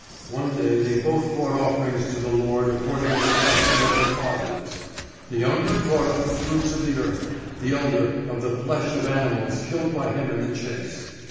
One day they both brought offerings to the Lord according to the custom of their fathers: the younger brought of the fruits of the earth, the elder of the flesh of animals killed by him in the chase.